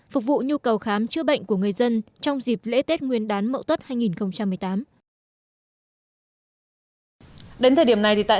phục vụ nhu cầu khám chữa bệnh của người dân trong dịp lễ tết nguyên đán mậu tuất hai nghìn một mươi tám